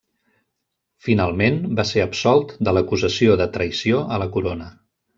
Finalment, va ser absolt de l'acusació de traïció a la corona.